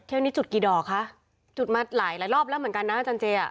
เที่ยวนี้จุดกี่ดอกคะจุดมาหลายหลายรอบแล้วเหมือนกันนะอาจารย์เจอ่ะ